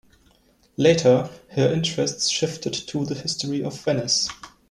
Later her interests shifted to the history of Venice.